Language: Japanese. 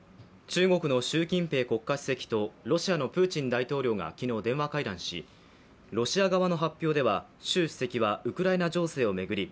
中国の習近平国家主席とロシアのプーチン大統領が昨日、電話会談しロシア側の発表では習主席はウクライナ情勢を巡り